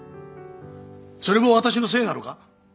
それも私のせいなのか？